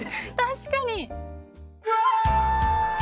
確かに。